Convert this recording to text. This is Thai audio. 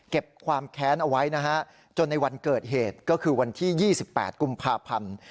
ความแค้นเอาไว้นะฮะจนในวันเกิดเหตุก็คือวันที่๒๘กุมภาพันธ์